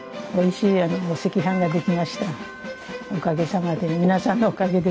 おかげさまで。